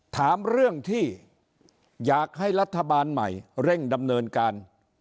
ถามเรื่องที่อยากให้รัฐบาลใหม่เร่งดำเนินการ